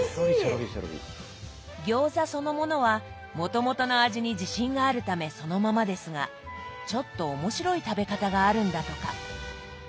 餃子そのものはもともとの味に自信があるためそのままですがちょっと面白い食べ方があるんだとか。